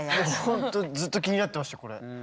ほんとずっと気になってましたこれ。